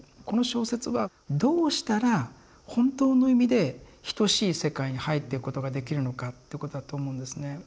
この小説はどうしたら本当の意味で等しい世界に入っていくことができるのかってことだと思うんですね。